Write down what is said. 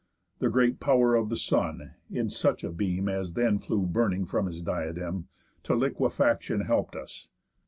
The great pow'r of the sun, in such a beam As then flew burning from his diadem, To liquefaction help'd us.